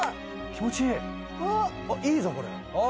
「いいぞこれ」